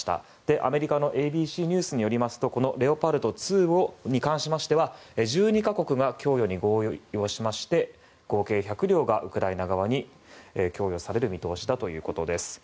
アメリカのＡＢＣニュースによりますとレオパルト２に関しましては１２か国が供与に合意しまして合計１００両がウクライナ側に供与される見通しだということです。